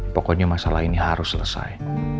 pokoknya masalah ini harus selesai